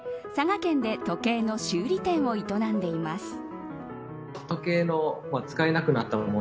佐賀県で時計の修理店を営んでいます。